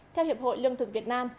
theo hiệp hội lương thực việt nam